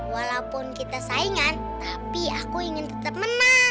walaupun kita saingan tapi aku ingin tetap menang